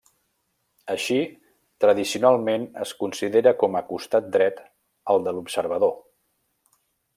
Així, tradicionalment es considera com a costat dret el de l'observador.